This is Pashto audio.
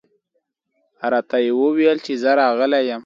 راته یې وویل چې زه راغلی یم.